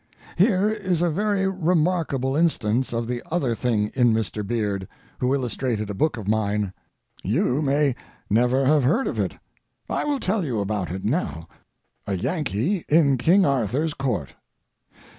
Here is a very remarkable instance of the other thing in Mr. Beard, who illustrated a book of mine. You may never have heard of it. I will tell you about it now—A Yankee in King Arthur's Court.